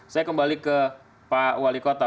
saya kembali ke pak wali kota